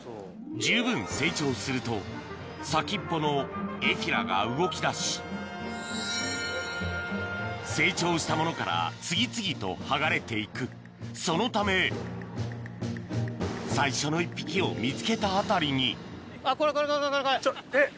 十分成長すると先っぽのエフィラが動きだし成長したものから次々と剥がれて行くそのため最初の１匹を見つけた辺りにちょえっ？